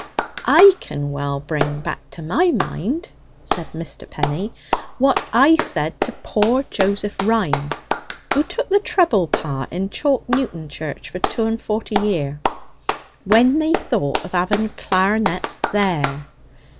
"I can well bring back to my mind," said Mr. Penny, "what I said to poor Joseph Ryme (who took the treble part in Chalk Newton Church for two and forty year) when they thought of having clar'nets there.